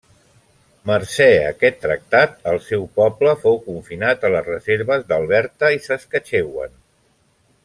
Mercè a aquest tractat el seu poble fou confinat a les reserves d'Alberta i Saskatchewan.